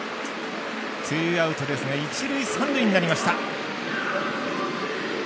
ツーアウト一塁、三塁になりました。